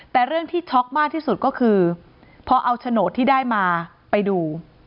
แต่เรื่องที่ช็อกมากที่สุดก็คือพอเอาโฉนดที่ได้มาไปดู